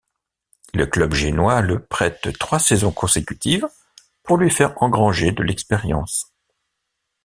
Le club génois le prête trois saisons consécutives pour lui faire engranger de l'expérience.